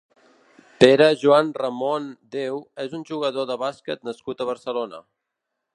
Pere Joan Remón Déu és un jugador de bàsquet nascut a Barcelona.